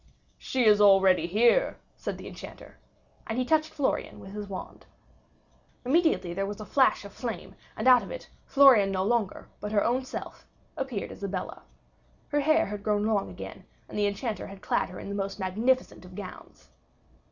"She is already here," said the Enchanter. And he touched Florian with his wand. Immediately there was a flash of flame, and out of it, Florian no longer, but her own self, appeared Isabella. Her hair had grown long again, and the Enchanter had clad her in the most magnificent of gowns.